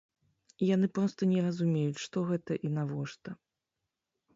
Яны проста не разумеюць, што гэта і навошта.